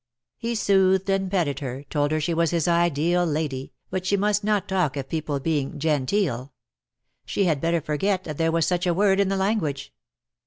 He soothed and petted her, told her she w^as his ideal lady, but she must not talk of people being "genteel." She had better forget that there was such a word in the language.